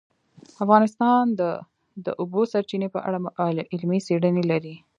افغانستان د د اوبو سرچینې په اړه علمي څېړنې لري.